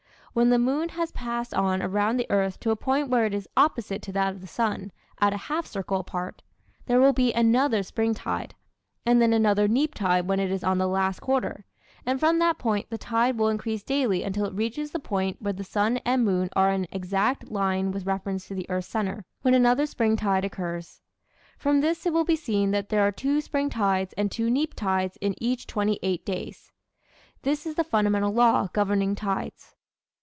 When the moon has passed on around the earth to a point where it is opposite to that of the sun at a half circle apart there will be another spring tide, and then another neap tide when it is on the last quarter, and from that point the tide will increase daily until it reaches the point where the sun and moon are in exact line with reference to the earth's center, when another spring tide occurs. From this it will be seen that there are two spring tides and two neap tides in each twenty eight days. This is the fundamental law governing tides.